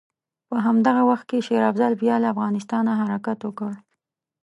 په همدغه وخت کې شېر افضل بیا له افغانستانه حرکت وکړ.